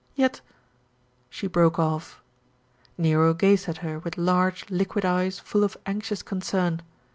"Yet" She broke off. Nero gazed at her with large, liquid eyes full of anxious concern.